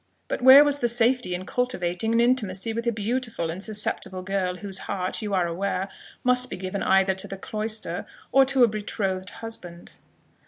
But where was the safety in cultivating an intimacy with a beautiful and susceptible girl, whose heart, you are aware, must be given either to the cloister or to a betrothed husband?"